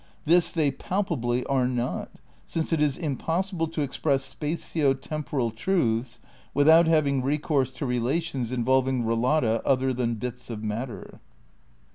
This they palpably are not, since it is impossible to express spatio temporal truths without having recourse to relations involving relata other than bits of matter."